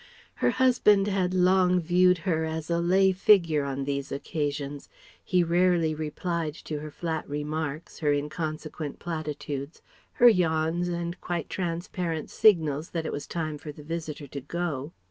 Her husband had long viewed her as a lay figure on these occasions. He rarely replied to her flat remarks, her inconsequent platitudes, her yawns and quite transparent signals that it was time for the visitor to go.